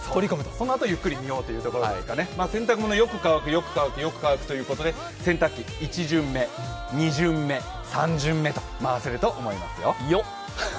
そのあとゆっくり見ようというところですかね、洗濯物よく乾くということで、洗濯機１巡目、２巡目、３巡目と回せると思いますよ。